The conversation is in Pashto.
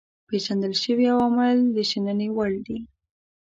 پيژندل شوي عوامل د شنني وړ دي.